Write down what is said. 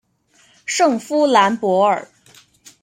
圣夫兰博尔。